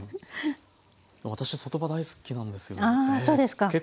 そうですか。